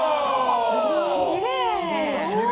きれい。